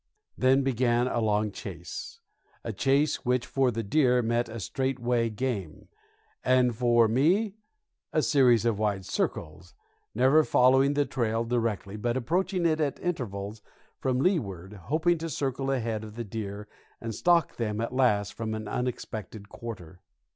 Then began a long chase, a chase which for the deer meant a straightaway game, and for me a series of wide circles never following the trail directly, but approaching it at intervals from leeward, hoping to circle ahead of the deer and stalk them at last from an unexpected quarter.